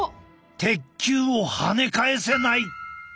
鉄球をはね返せない。